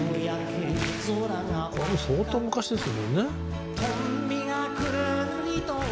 これ相当昔ですもんね。